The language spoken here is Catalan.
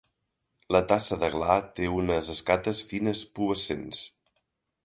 La tassa de la gla té unes escates fines pubescents.